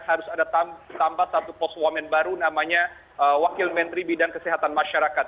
harus ada tambah satu pos wamen baru namanya wakil menteri bidang kesehatan masyarakat